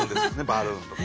バルーンとか。